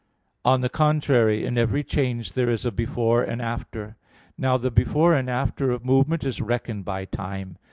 On the contrary, In every change there is a before and after. Now the before and after of movement is reckoned by time.